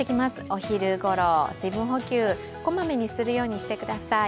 お昼ごろ、水分補給、こまめにするようにしてください。